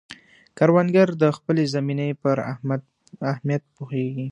کروندګر د خپلې زمینې پر اهمیت پوهیږي